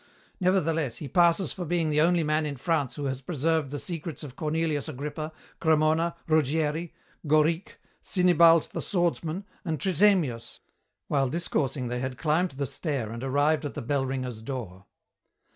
Nevertheless he passes for being the only man in France who has preserved the secrets of Cornelius Agrippa, Cremona, Ruggieri, Gauric, Sinibald the Swordsman, and Tritemius." While discoursing they had climbed the stair and arrived at the bell ringer's door.